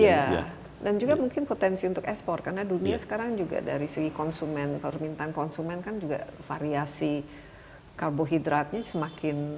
iya dan juga mungkin potensi untuk ekspor karena dunia sekarang juga dari segi konsumen permintaan konsumen kan juga variasi karbohidratnya semakin